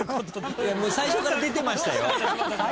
最初から出てましたよ。